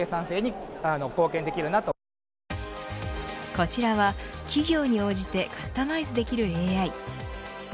こちらは企業に応じてカスタマイズできるＡＩ。